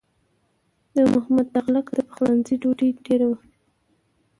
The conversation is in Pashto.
د محمد تغلق د پخلنځي ډوډۍ ډېره وه.